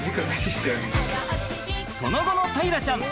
その後の大樂ちゃん。